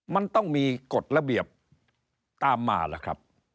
มันต้องมีกฎระเบียบตามมาล่ะครับ